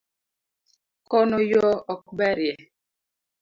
Kono yoo ok berie